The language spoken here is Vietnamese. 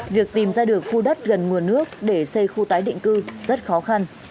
việc tìm ra được khu đất gần nguồn nước để xây khu tái định cư rất khó khăn